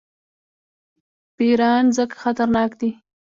پیران ځکه خطرناک دي.